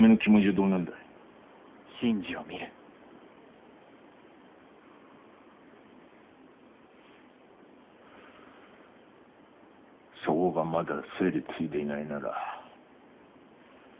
そごがまだ整理ついでいないなら。